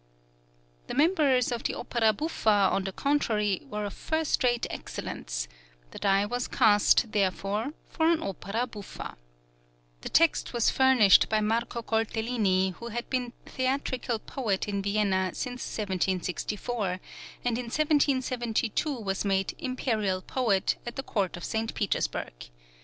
The members of the Opera Buffa, on the contrary, were of first rate excellence; the die was cast, therefore, for an opera buffa. The text was furnished by Marco Coltellini, who had been "Theatrical Poet" in Vienna since 1764, and in 1772 was made "Imperial Poet" at the court of St. Petersburg.